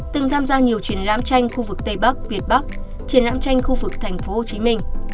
từng tham gia nhiều triển lãm tranh khu vực tây bắc việt bắc triển lãm tranh khu vực tp hcm